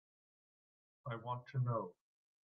I want to know.